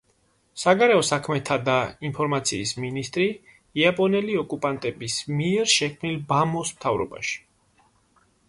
საგარეო საქმეთა და ინფორმაციის მინისტრი იაპონელი ოკუპანტების მიერ შექმნილ ბა მოს მთავრობაში.